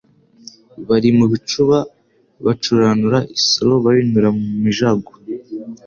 Bari mu bicuba bacuranura, Isoro bayinura mu mijago :